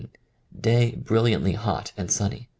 Day brilliantly hot and sunny.